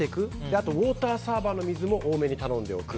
あと、ウォーターサーバーの水も多めに頼んでおく。